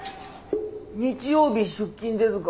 日曜日出勤ですか？